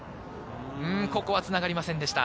ここはつながりませんでした。